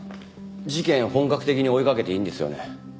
事件本格的に追いかけていいんですよね？